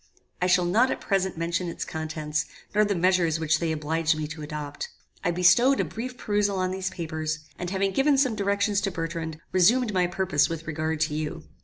I shall not at present mention its contents, nor the measures which they obliged me to adopt. I bestowed a brief perusal on these papers, and having given some directions to Bertrand, resumed my purpose with regard to you.